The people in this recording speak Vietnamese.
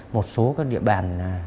một số các địa bàn